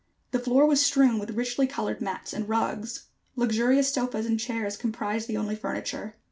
The floor was strewn with richly colored mats and rugs. Luxurious sofas and chairs comprised the only furniture.